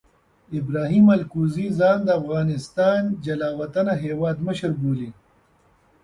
ابراهیم الکوزي ځان د افغانستان جلا وطنه هیواد مشر بولي.